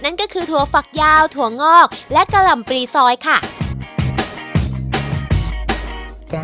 นั่นก็คือถั่วฝักยาวถั่วงอกและกะหล่ำปรีซอยค่ะ